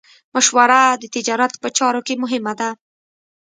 مشوره د تجارت په چارو کې مهمه ده.